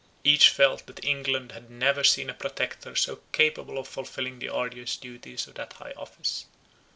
Each felt, that England had never seen a Protector so capable of fulfilling the arduous duties of that high office.